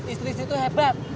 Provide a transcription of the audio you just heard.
istri situ hebat